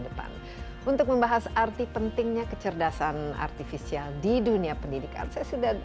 depan untuk membahas arti pentingnya kecerdasan artifisial di dunia pendidikan saya sudah